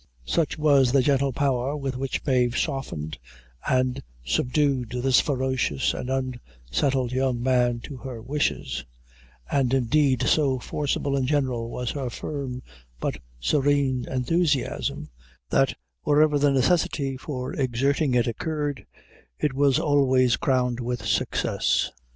Such was the gentle power with which Mave softened and subdued this ferocious and unsettled young man to her wishes; and, indeed, so forcible in general was her firm but serene enthusiasm, that wherever the necessity for exerting it occurred, it was always crowned with success.